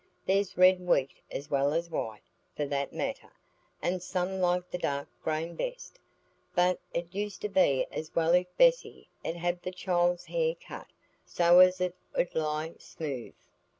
There's red wheat as well as white, for that matter, and some like the dark grain best. But it 'ud be as well if Bessy 'ud have the child's hair cut, so as it 'ud lie smooth."